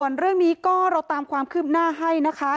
ส่วนเรื่องนี้ก็เราตามความคืบหน้าให้นะคะ